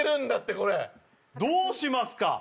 これどうしますか？